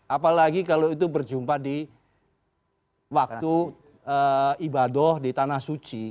apalagi kalau itu berjumpa di waktu ibadah di tanah suci